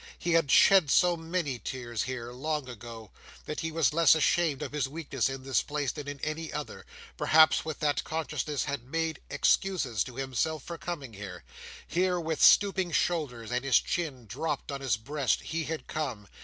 He had shed so many tears here, long ago, that he was less ashamed of his weakness in this place than in any other—perhaps, with that consciousness, had made excuses to himself for coming here. Here, with stooping shoulders, and his chin dropped on his breast, he had come.